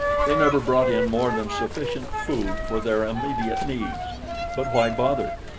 They never brought in more than sufficient food for their immediate needs; but why bother?